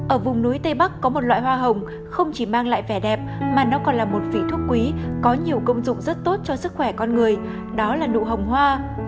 ở vùng núi tây bắc có một loại hoa hồng không chỉ mang lại vẻ đẹp mà nó còn là một vị thuốc quý có nhiều công dụng rất tốt cho sức khỏe con người đó là nụ hồng hoa